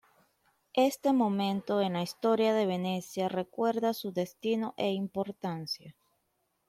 Este momento en la historia de Venecia recuerda su destino e importancia.